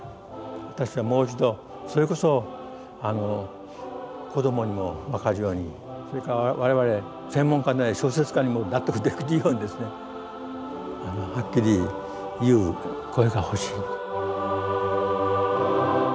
私はもう一度それこそ子どもにも分かるようにそれから我々専門家でない小説家にも納得できるようにですねはっきり言う声が欲しい。